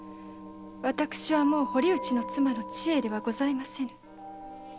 私はもう堀内の妻千恵ではございませぬ。